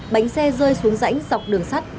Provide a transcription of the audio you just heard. bánh xe rơi xuống rãnh dọc đường sắt